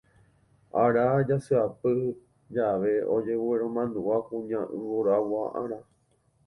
Ára jasyapy jave ojegueromanduʼa Kuña Yvoragua Ára.